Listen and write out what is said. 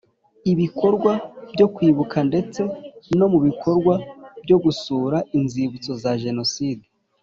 ibikorwa byo kwibuka ndetse no mu bikorwa byo gusura inzibutso za Jenoside